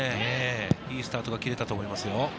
いいスタートが切れたと思いますよ。